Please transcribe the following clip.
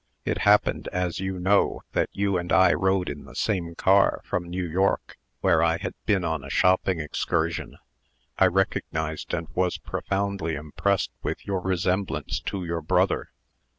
It happened, as you know, that you and I rode in the same car from New York, where I had been on a shopping excursion. I recognized and was profoundly impressed with your resemblance to your brother.